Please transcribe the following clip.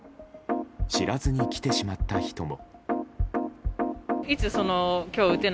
知らずに来てしまった人も。